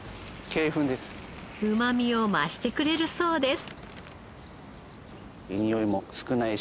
うまみを増してくれるそうです。